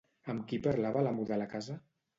Amb qui parlava l'amo de la casa?